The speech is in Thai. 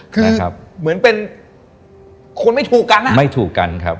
คือเหมือนเป็นคนไม่ถูกกันนะไม่ถูกกันครับ